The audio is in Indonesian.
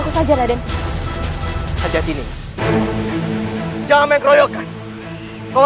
semoga allah selalu melindungi kita